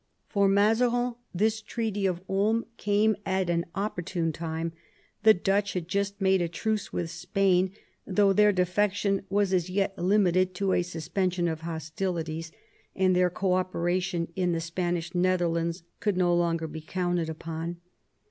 For Mazarin this Treaty of Ulm came at an opportune time. The Dutch had just made a truce with Spain, though their defection was as yet limited to a suspension of hostilities, and their co operation in the Spanish Netherlands could no longer be counted upon.